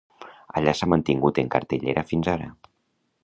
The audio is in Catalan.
Allà s'ha mantingut en cartellera fins ara.